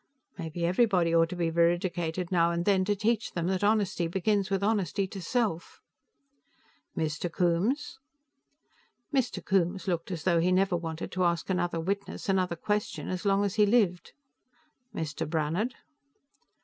Maybe everybody ought to be veridicated, now and then, to teach them that honesty begins with honesty to self. "Mr. Coombes?" Mr. Coombes looked as though he never wanted to ask another witness another question as long as he lived. "Mr. Brannhard?"